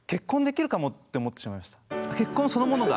結婚そのものが。